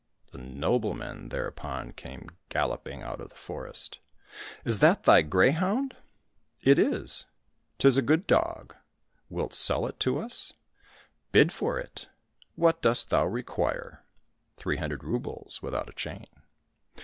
The noblemen thereupon came galloping out of the forest. " Is that thy greyhound ?"—" It is."— " 'Tis a good dog ; wilt sell it to us ?"—" Bid for it !"—" What dost thou require ?"—'* Three hundred roubles without a chain."